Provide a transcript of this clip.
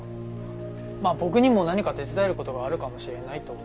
まあ僕にも何か手伝える事があるかもしれないと思って。